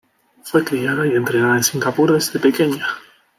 Fue criada y entrenada en Singapur desde pequeña.